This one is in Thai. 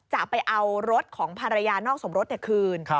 จะไปเอารถของภรรยานอกสมรถเดี๋ยวคืน